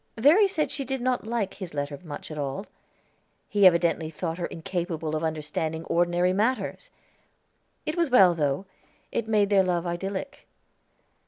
Verry said she did not like his letter much after all. He evidently thought her incapable of understanding ordinary matters. It was well, though; it made their love idyllic.